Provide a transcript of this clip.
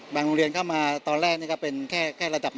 โรงเรียนเข้ามาตอนแรกนี่ก็เป็นแค่ระดับ๑